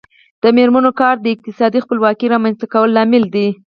د میرمنو کار د اقتصادي خپلواکۍ رامنځته کولو لامل دی.